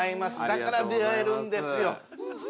だから出会えるんですよ。